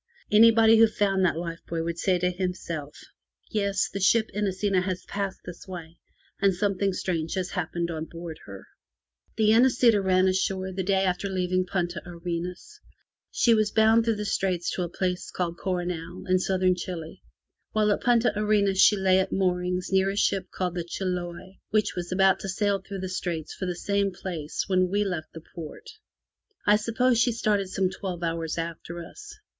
Anybody who found that life 273 MY BOOK HOUSE buoy would say to himself: '*Yes; the ship Inesita has passed this way, and something strange has happened on board her/' The Inesita ran ashore the day after leaving Punta Arenas. She was bound through the Straits to a place called Coronel, in Southern Chile. While at Punta Arenas she lay at moorings near a ship called the Chiloe, which was about to sail through the Straits for the same place when we left the port. I suppose she started some twelve hours after us.